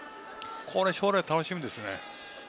将来楽しみですね。